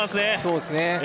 そうですね